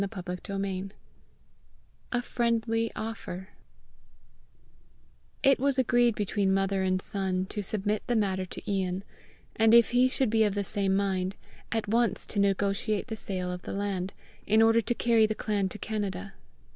CHAPTER XVIII A FRIENDLY OFFER It was agreed between mother and son to submit the matter to Ian, and if he should, be of the same mind, at once to negotiate the sale of the land, in order to carry the clan to Canada.